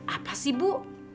apa sih bu